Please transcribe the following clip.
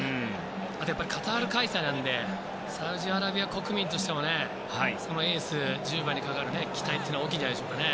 あとはカタール開催なのでサウジアラビア国民としてもエース、１０番にかかる期待というのは大きいんじゃないですかね。